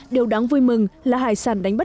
điều đáng vui mừng là hải sản đánh bắt